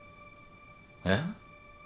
えっ？